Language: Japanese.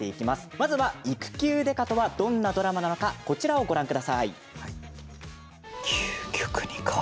まず「育休刑事」とはどんなドラマなのかこちらをご覧ください。